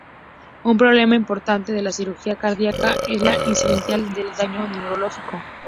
Un problema importante de la cirugía cardíaca es la incidencia de daño neurológico.